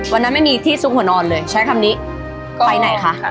ไม่มีที่ซุกหัวนอนเลยใช้คำนี้ไปไหนคะ